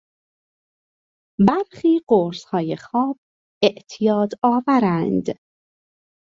برخی قرصهای خواب اعتیاد آورند.